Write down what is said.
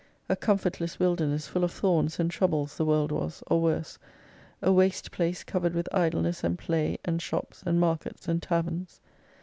A comfortless wilderness full of thorns and troubles the world was, or worse : a waste place covered with idleness and play, and shops, and markets, and taverns.